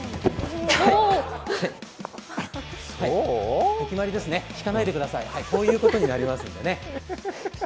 はいお決まりですね、聞かないでください、こういうことになりますんでね。